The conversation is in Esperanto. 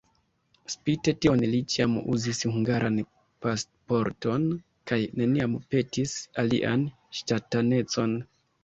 Spite tion li ĉiam uzis hungaran pasporton kaj neniam petis alian ŝtatanecon.